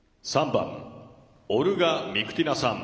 ３番オルガ・ミクティナさん